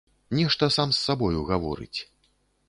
Нешта сам з сабою гаворыць.